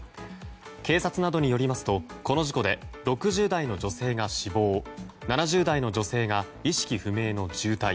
警察などによりますとこの事故で６０代の女性が死亡７０代の女性が意識不明の重体